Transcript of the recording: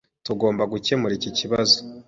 Tugomba gukemura iki kibazo.